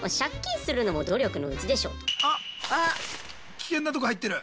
危険なとこ入ってる。